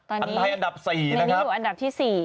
อันไทยอันดับ๔นะครับอันดับที่๔